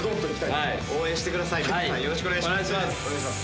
よろしくお願いします。